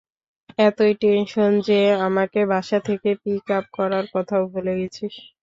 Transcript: এতোই টেনশন যে আমাকে বাসা থেকে পিক আপ করার কথাও ভুলে গেছিস?